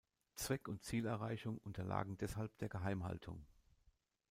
Zweck und Zielerreichung unterlagen deshalb der Geheimhaltung.